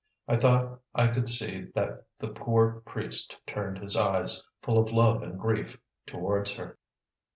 I thought I could see that the poor priest turned his eyes, full of love and grief, towards her.